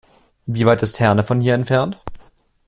Wie weit ist Herne von hier entfernt?